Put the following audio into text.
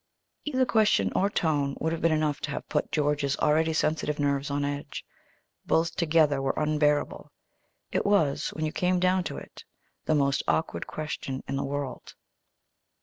Either question or tone would have been enough to have put George's already sensitive nerves on edge. Both together were unbearable. It was, when you came down to it, the most awkward question in the world.